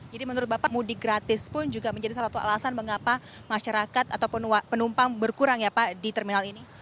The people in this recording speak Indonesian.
jadi menurut bapak mudik gratis pun juga menjadi salah satu alasan mengapa masyarakat atau penumpang berkurang ya pak di terminal ini